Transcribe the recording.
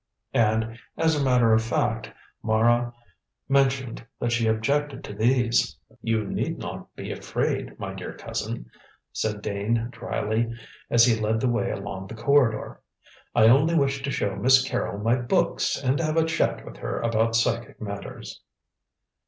And, as a matter of fact, Mara mentioned that she objected to these. "You need not be afraid, my dear cousin," said Dane dryly, as he led the way along the corridor. "I only wish to show Miss Carrol my books and have a chat with her about psychic matters."